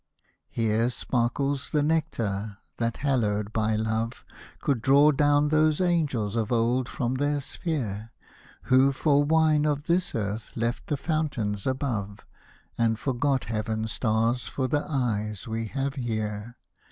Here sparkles the nectar, that, hallowed by love. Could draw down those angels of old from their sphere, Who for wine of this earth left the fountains above. And forgot heaven's stars for the eyes we have here.